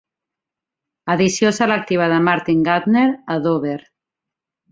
Edició selectiva de Martin Gardner a Dover.